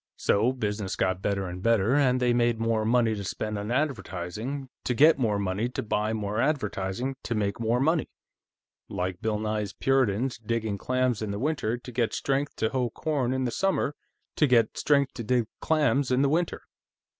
So business got better and better, and they made more money to spend on advertising to get more money to buy more advertising to make more money, like Bill Nye's Puritans digging clams in the winter to get strength to hoe corn in the summer to get strength to dig clams in the winter.